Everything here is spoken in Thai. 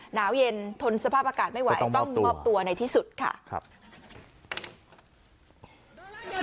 หนาวเย็นทนสภาพอากาศไม่ไหวต้องมอบตัวในที่สุดค่ะครับ